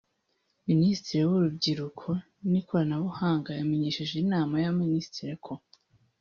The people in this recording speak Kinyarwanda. a) Minisitiri w’Urubyiruko n’Ikoranabuhanga yamenyesheje Inama y’Abaminisitiri ko